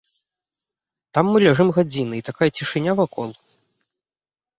Там мы ляжым гадзіны, і такая цішыня вакол!